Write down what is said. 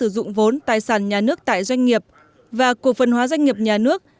sử dụng vốn tài sản nhà nước tại doanh nghiệp và cổ phân hóa doanh nghiệp nhà nước